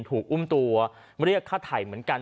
ถูกอุ้มตัวเรียกค่าไถ่เหมือนกัน